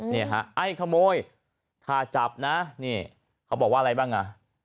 นี่ฮะไอ้ขโมยถ้าจับนะนี่เขาบอกว่าอะไรบ้างอ่ะ